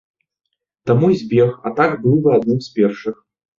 Таму і збег, а так быў бы адным з першых.